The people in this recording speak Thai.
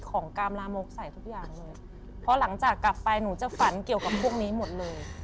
ของกามลามกใส่ทุกอย่างเลยพอหลังจากกลับไปหนูจะฝันเกี่ยวกับพวกนี้หมดเลย